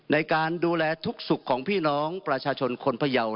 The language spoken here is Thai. ในการดูแลทุกสุขของพี่น้องประชาชนคนพยาว